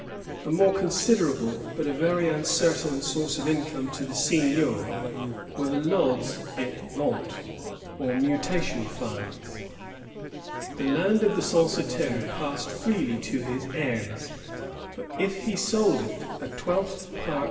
A more considerable but a very uncertain source of income to the seignior were the lods et ventes^ or mutation fines. The land of the censitaire passed freely to his heirs ; but if he sold it, a twelfth part 48 CANADIAN FEUDALISM. [1663 1763.